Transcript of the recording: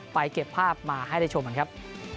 เก็บภาพมาให้ได้ชมกันครับ